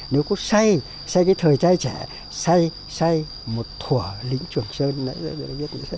nếu có say say cái thời trai trẻ say say một thủa lính trường sơn nữa